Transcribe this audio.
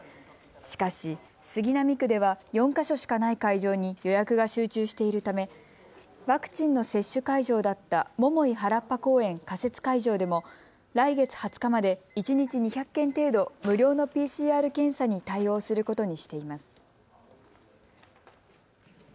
しかし杉並区では４か所しかない会場に予約が集中しているためワクチンの接種会場だった桃井原っぱ公園仮設会場でも来月２０日まで一日２００件程度、無料のＰＣＲ検査に対応することにしています。